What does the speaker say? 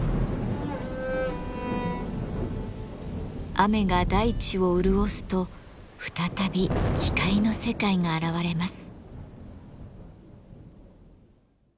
雨が大地を潤すと再び光の世界が現れます。